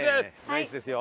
ナイスですよ。